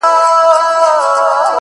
ژوند مي هيڅ نه دى ژوند څه كـړم-